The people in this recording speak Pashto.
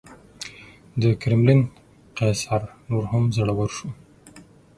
د کرملین قیصر نور هم زړور شو.